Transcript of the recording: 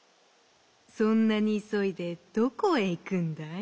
そんなにいそいでどこへいくんだい？」。